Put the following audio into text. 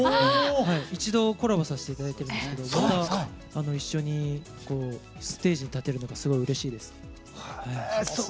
一度、コラボさせていただいてるんですけどまた一緒にステージに立てるのがすごいうれしいです。